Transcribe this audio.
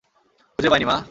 খুঁজে পাইনি, মা।